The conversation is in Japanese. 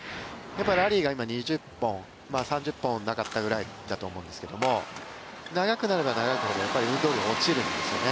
ラリーが今、２０本３０本なかったぐらいだったと思うんですけど、長くなれば長くなるほど運動量、落ちるんですよね。